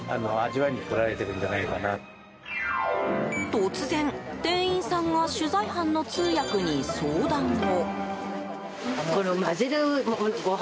突然、店員さんが取材班の通訳に相談を。